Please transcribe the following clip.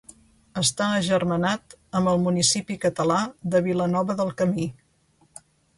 Està agermanat amb el municipi català de Vilanova del Camí.